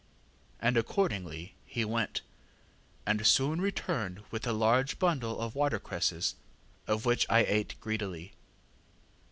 ŌĆÖ ŌĆ£And accordingly he went, and soon returned with a large bundle of watercresses, of which I ate greedily.